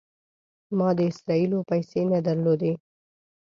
ما د اسرائیلو پیسې نه درلودې.